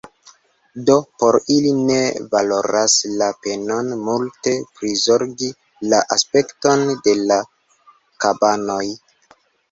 Do, por ili ne valoras la penon multe prizorgi la aspekton de la kabanoj.